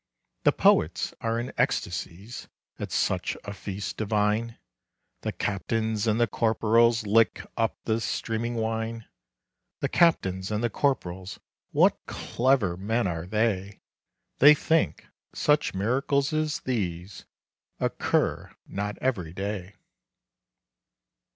The poets are in ecstasies At such a feast divine. The captains and the corporals Lick up the streaming wine. The captains and the corporals, What clever men are they! They think such miracles as these Occur not every day.